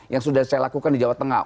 yang sudah saya lakukan di jawa tengah